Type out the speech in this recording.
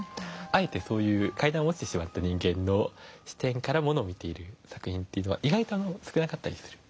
あえてそういう階段を落ちてしまった人間の視点からものを見ている作品というのは意外と少なかったりする。